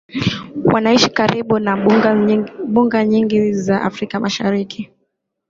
wanaishi karibu na mbuga nyingi za Afrika Mashariki